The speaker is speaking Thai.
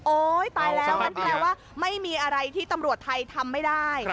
ตายแล้วงั้นแปลว่าไม่มีอะไรที่ตำรวจไทยทำไม่ได้